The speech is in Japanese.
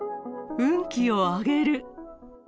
運気を上げる。